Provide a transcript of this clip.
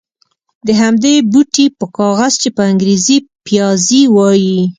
د همدې بوټي په کاغذ چې په انګرېزي پپیازي وایي.